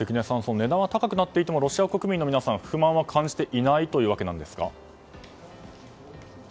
値段は高くなっていてもロシア国民の皆さん、不満は感じていないというわけですか？